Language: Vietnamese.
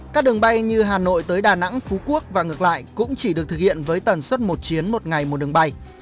các đường bay như hà nội tới đà nẵng phú quốc và ngược lại cũng chỉ được thực hiện với tần suất một chuyến một ngày một đường bay